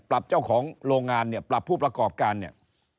เจ้าของโรงงานเนี่ยปรับผู้ประกอบการเนี่ย